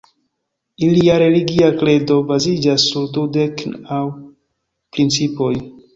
Ilia religia kredo baziĝas sur "dudek naŭ principoj".